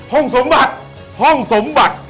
ห้องสมบัติห้องสมบัติ